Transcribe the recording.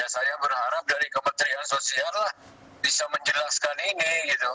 saya berharap dari kementerian sosial lah bisa menjelaskan ini